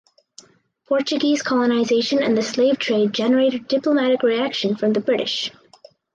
Portuguese colonization and the slave trade generated diplomatic reaction from the British.